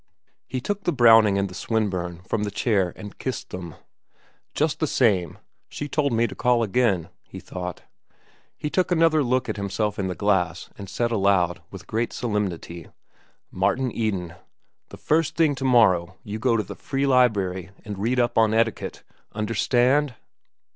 He took the Browning and the Swinburne from the chair and kissed them. Just the same, she told me to call again, he thought. He took another look at himself in the glass, and said aloud, with great solemnity: "Martin Eden, the first thing to morrow you go to the free library an' read up on etiquette. Understand!"